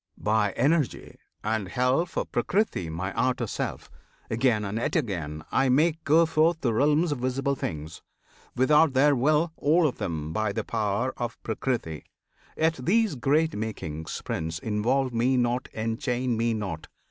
By Energy And help of Prakriti my outer Self, Again, and yet again, I make go forth The realms of visible things without their will All of them by the power of Prakriti. Yet these great makings, Prince! involve Me not Enchain Me not!